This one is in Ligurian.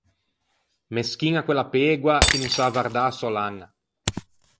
Meschiña quella pegoa chi no sa avvardâ a sò laña.